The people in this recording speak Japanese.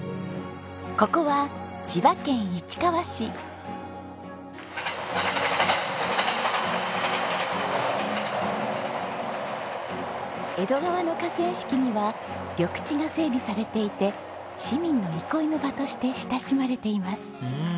ここは江戸川の河川敷には緑地が整備されていて市民の憩いの場として親しまれています。